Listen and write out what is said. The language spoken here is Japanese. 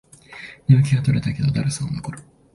眠気は取れたけど、だるさは残る